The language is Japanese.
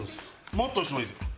もっと押してもいいですよ。